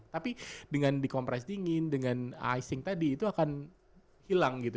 tapi dengan di kompres dingin dengan icing tadi itu akan hilang gitu